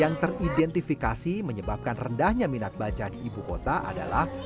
yang teridentifikasi menyebabkan rendahnya minat baca di ibu kota adalah